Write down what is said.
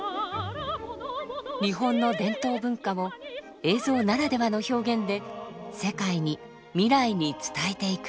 日本の伝統文化を映像ならではの表現で世界に未来に伝えていく。